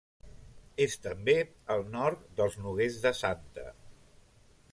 És també al nord dels Noguers de Santa.